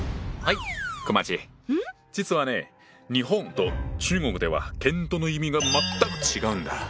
はいこまっち実はね日本と中国では「検討」の意味が全く違うんだ。